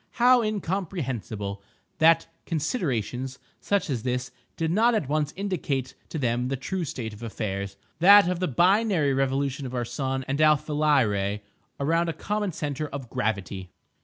How incomprehensible, that considerations such as this did not at once indicate to them the true state of affairs—that of the binary revolution of our sun and Alpha Lyrae around a common centre of gravity!